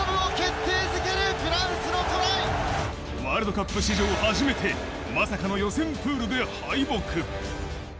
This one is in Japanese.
ワールドカップ史上初めて、まさかの予選プールで敗北。